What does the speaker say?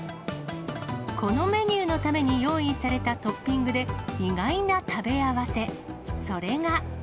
このメニューのために用意されたトッピングで、意外な食べ合わせ、それが。